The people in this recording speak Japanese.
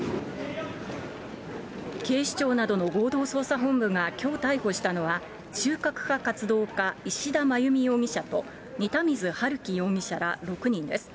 警視庁などの合同捜査本部がきょう逮捕したのは、中核派活動家、石田真弓容疑者と仁田水はるき容疑者ら６人です。